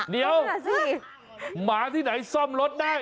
เดี๋ยวหมาที่ไหนซ่อมรถได้